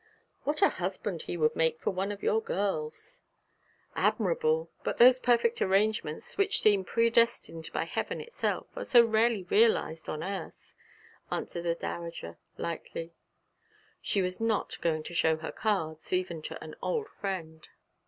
What a husband he would make for one of your girls!' 'Admirable! But those perfect arrangements, which seem predestined by heaven itself, are so rarely realised on earth,' answered the dowager, lightly. She was not going to show her cards, even to an old friend.